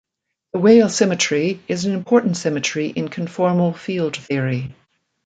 The Weyl symmetry is an important symmetry in conformal field theory.